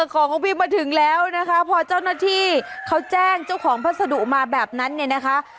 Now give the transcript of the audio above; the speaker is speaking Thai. ของของพี่มาถึงแล้วนะคะพอเจ้าหน้าที่เขาแจ้งเจ้าของพัสดุมาแบบนั้นเนี่ยนะคะ